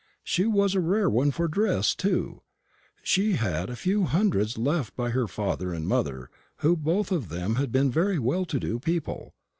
She was a rare one for dress, too; for she had a few hundreds left her by her father and mother, who had both of them been very well to do people.